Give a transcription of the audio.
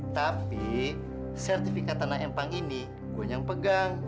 tapi sertifikat tanah empang ini gue yang pegang